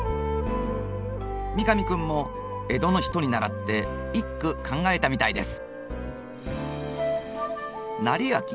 三上君も江戸の人に倣って一句考えたみたいです。